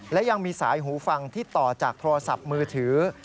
และยังมีสายหูฟังที่ต่อจากโทรศัพท์มือถือ